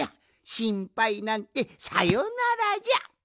しんぱいなんてさよならじゃ！